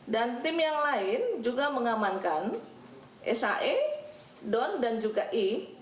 dan tim yang lain juga mengamankan sae don dan juga i